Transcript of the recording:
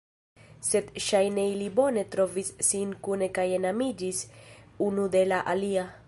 Sed ŝajne ili bone trovis sin kune kaj enamiĝis unu de la alia.